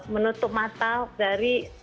menutup mata dari